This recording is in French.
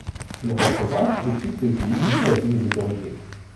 Ils représentent le culte juif vis-à-vis des autorités.